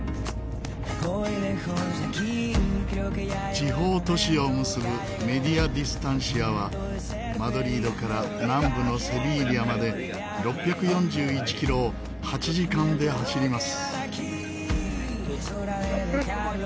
地方都市を結ぶメディアディスタンシアはマドリードから南部のセビーリャまで６４１キロを８時間で走ります。